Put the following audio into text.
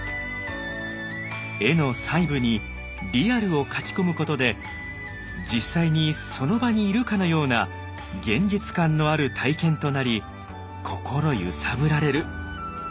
絵の細部にリアルを描き込むことで実際にその場にいるかのような現実感のある体験となり心揺さぶられる。